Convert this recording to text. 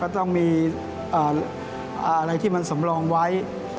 ต้องมีอะไรที่มันสำรองไว้